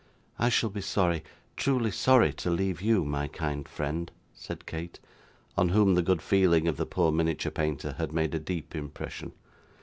'I shall be sorry truly sorry to leave you, my kind friend,' said Kate, on whom the good feeling of the poor miniature painter had made a deep impression.